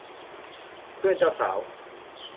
เพื่อนเจ้าสาว